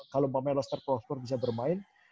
kalau lester prosper bisa bermain